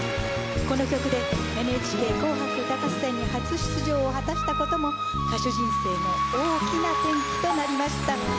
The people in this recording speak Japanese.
この曲で『ＮＨＫ紅白歌合戦』に初出場を果たしたことも歌手人生の大きな転機となりました。